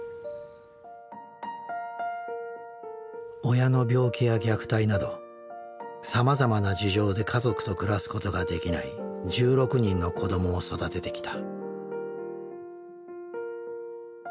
親の病気や虐待などさまざまな事情で家族と暮らすことができない１６人の子どもを育ててきた。